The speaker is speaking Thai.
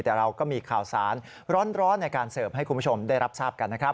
แต่เราก็มีข่าวสารร้อนในการเสิร์ฟให้คุณผู้ชมได้รับทราบกันนะครับ